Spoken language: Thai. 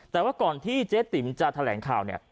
แต่ว่าก่อนที่เจ๊ติ๋มจะแบ่งที่จะแบ่งค่า